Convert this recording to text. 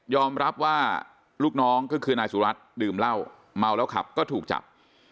รับว่าลูกน้องก็คือนายสุรัตน์ดื่มเหล้าเมาแล้วขับก็ถูกจับ